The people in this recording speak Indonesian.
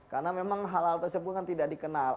karena memang hal hal tersebut tidak dikenal